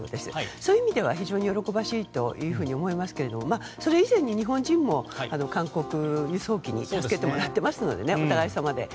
そういう意味では非常に喜ばしいと思いますがそれ以前に日本人も韓国輸送機に助けてもらってますのでお互いさまで。